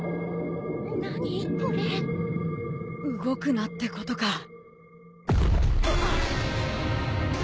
動くなってことか。